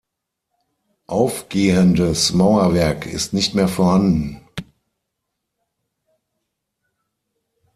Aufgehendes Mauerwerk ist nicht mehr vorhanden.